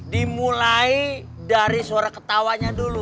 dimulai dari suara ketawanya dulu